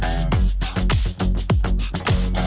ปัญหาย่อดฮิตข้อที่นิด